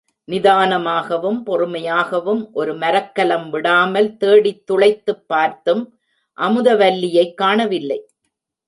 நிதானமாகவும் பொறுமையாகவும், ஒரு மரக்கலம் விடாமல் தேடித் துளைத்துப் பார்த்தும் அமுதவல்லியைக் காணவில்லை.